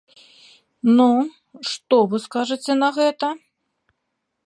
Ну, што вы скажаце на гэта?